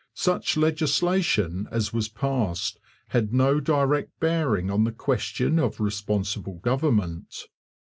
Such legislation as was passed had no direct bearing on the question of responsible government.